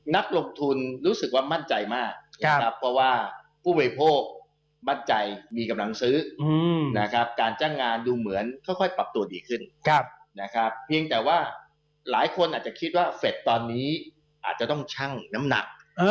นักลงทุนรู้สึกว่ามั่นใจมากนะครับเพราะว่าผู้บริโภคมั่นใจมีกำลังซื้อนะครับการจ้างงานดูเหมือนค่อยปรับตัวดีขึ้นนะครับเพียงแต่ว่าหลายคนอาจจะคิดว่าเฟสตอนนี้อาจจะต้องชั่งน้ำหนัก